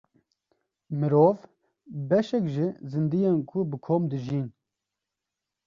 Mirov beşek ji zindiyên ku bi kom dijîn.